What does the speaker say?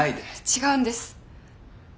違うんです。